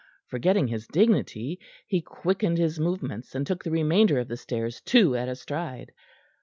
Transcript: Forgetting his dignity, he quickened his movements, and took the remainder of the stairs two at a stride.